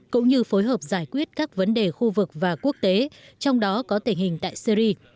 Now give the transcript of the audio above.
cũng như phối hợp giải quyết các vấn đề khu vực và quốc tế trong đó có tình hình tại syri